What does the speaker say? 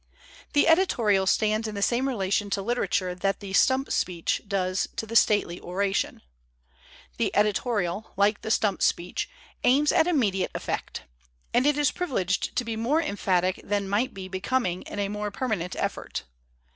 The editorial stands in the same relation to literature that the stump speech does to the stately oration. The eoli torial, like the stump speech, aims at immediate effect; and it is privileged to be more emphatic than might be becoming in a more permanent effort.